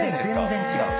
全然違う。